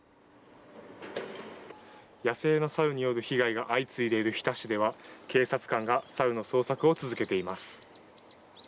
野生のサルによる被害が相次いでいる日田市では警察官がサルの捜索を続けています。